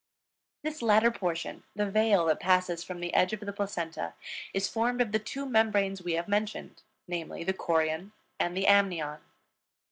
This latter portion, the veil that passes from the edge of the placenta, is formed of the two membranes we have mentioned, namely, the chorion and the amnion.